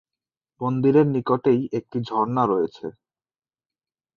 মন্দিরের নিকটেই একটি ঝরনা রয়েছে।